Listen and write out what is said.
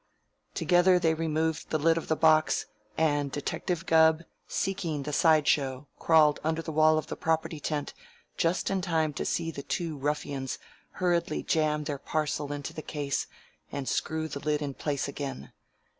Together they removed the lid of the box, and Detective Gubb, seeking the side show, crawled under the wall of the property tent just in time to see the two ruffians hurriedly jam their parcel into the case and screw the lid in place again.